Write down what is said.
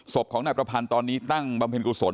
ศพของนายประพันธ์ตอนนี้ตั้งบำเพ็ญกุศล